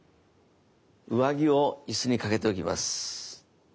上着を椅子に掛けておきます。